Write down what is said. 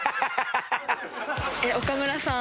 岡村さん。